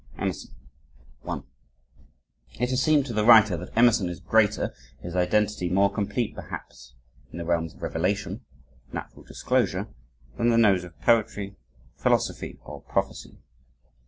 II Emerson 1 It has seemed to the writer, that Emerson is greater his identity more complete perhaps in the realms of revelation natural disclosure than in those of poetry, philosophy, or prophecy.